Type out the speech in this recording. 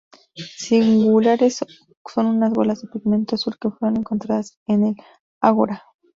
Singulares son unas bolas de pigmento azul que fueron encontradas en el ágora.